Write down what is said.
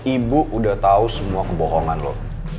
ibu udah tau semua kebohongan lo